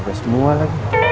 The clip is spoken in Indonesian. gak ada semua lagi